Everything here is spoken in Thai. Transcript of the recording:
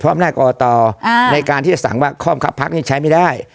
พร้อมหน้ากรกฎอ่าในการที่จะสั่งว่าข้อมคับพักนี่ใช้ไม่ได้